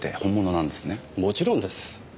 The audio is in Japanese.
もちろんです。